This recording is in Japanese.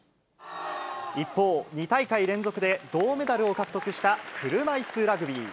一方、２大会連続で銅メダルを獲得した車いすラグビー。